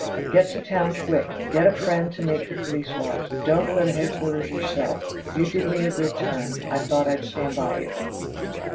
"Get to town quick. Get a friend to make the police wise. Don't go to headquarters yourself. You did me a good turn. I thought I'd stand by you."